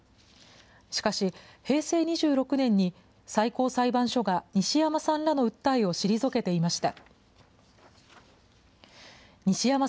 しかし、平成２６年に最高裁判所が西山さんらの訴えを退けていました。